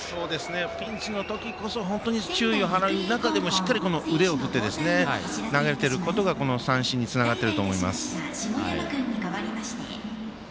ピンチの時こそ本当に注意を払う中でもしっかり腕を振って投げてることが三振につながってると思います。